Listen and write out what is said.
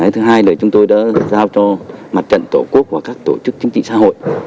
thứ hai là chúng tôi đã giao cho mặt trận tổ quốc và các tổ chức chính trị xã hội